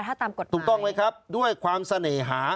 ถ้าตามกฎหมายถูกต้องไหมครับด้วยความเสน่หา